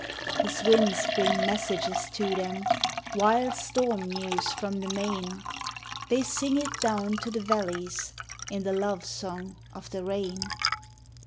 His winds bring messages to them, Wild storm news from the main; They sing it down to the valleys In the love song of the rain.